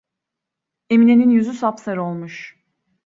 Emine'nin yüzü sapsarı olmuş…